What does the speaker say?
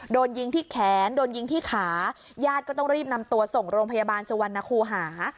โดนยิงที่แขนโดนยิงที่ขาญาติก็ต้องรีบนำตัวส่งโรงพยาบาลสุวรรณคูหา